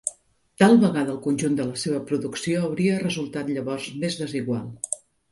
Tal vegada el conjunt de la seva producció hauria resultat llavors més desigual.